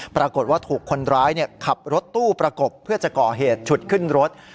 ปรากฏว่าถูกคนร้ายขับรถตู้ประกบเพื่อจะก่อเหตุฉุดขึ้นรถ